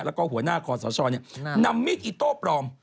แล้วก็หัวหน้าคอสชนำมีดอิโต้ปลอม